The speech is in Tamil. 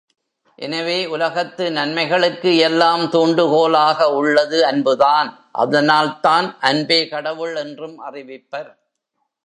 எனவே உலகத்து நன்மைகளுக்கு எல்லாம் தூண்டுகோலாக உள்ளது அன்புதான் அதனால்தான் அன்பே கடவுள் என்றும் அறிவிப்பர்.